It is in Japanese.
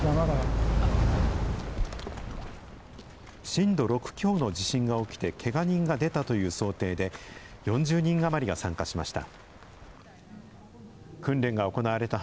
震度６強の地震が起きてけが人が出たという想定で、４０人余りが参加しました。